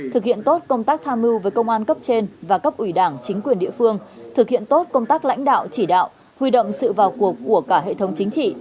thực hiện tốt công tác tham mưu với công an cấp trên và cấp ủy đảng chính quyền địa phương thực hiện tốt công tác lãnh đạo chỉ đạo huy động sự vào cuộc của cả hệ thống chính trị